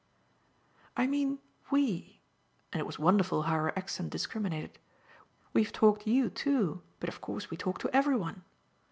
"I mean WE" and it was wonderful how her accent discriminated. "We've talked you too but of course we talk to every one."